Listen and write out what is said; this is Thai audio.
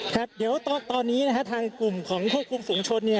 ครับเดี๋ยวตอนนี้นะฮะทางกลุ่มของควบคุมฝุงชนเนี่ย